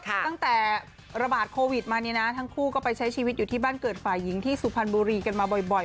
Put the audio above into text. ตั้งแต่ระบาดโควิดมาเนี่ยนะทั้งคู่ก็ไปใช้ชีวิตอยู่ที่บ้านเกิดฝ่ายหญิงที่สุพรรณบุรีกันมาบ่อย